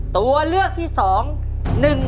ตัวเลือกที่สอง